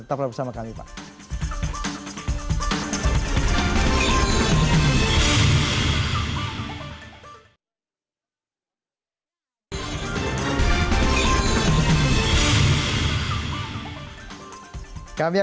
tetaplah bersama kami pak